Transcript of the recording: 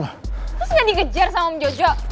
terus gak dikejar sama om jojo